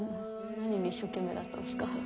何に一生懸命だったんですか？